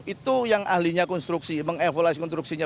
itu yang ahlinya konstruksi mengevaluasi konstruksinya